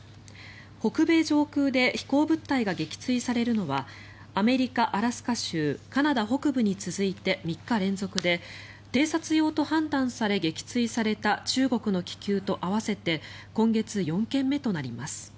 北米上空で飛行物体が撃墜されるのはアメリカ・アラスカ州カナダ北部に続いて３日連続で偵察用と判断され撃墜された中国の気球と合わせて今月４件目となります。